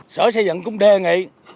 sở xây dựng cũng đề nghị